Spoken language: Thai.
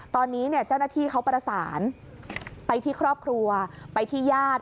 ตอนนี้เจ้าหน้าที่เขาประสานไปที่ครอบครัวไปที่ญาติ